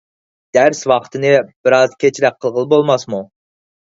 دەرس ۋاقتىنى بىرئاز كەچرەك قىلغىلى بولماسمۇ؟